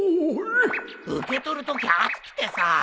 受け取るとき熱くてさ。